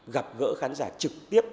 gặp gỡ khán giả trực tiếp